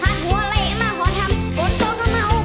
หักหัวเละมาห่อนทำ